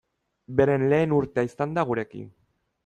Beren lehen urtea izan da gurekin.